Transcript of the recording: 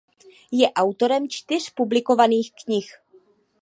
Je autorem čtyř publikovaných knih.